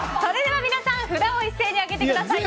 皆さん、札を一斉に上げてください！